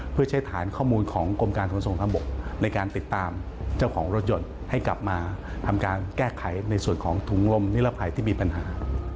เพื่อใช้ฐานข้อมูลของกรมการขนส่งทางบกในการติดตามเจ้าของรถยนต์ให้กลับมาทำการแก้ไขในส่วนของถุงลมนิรภัยที่มีปัญหา